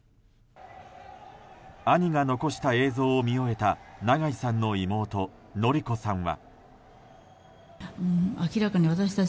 兄が残した映像を見終えた長井さんの妹・典子さんは。